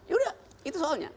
ya udah itu soalnya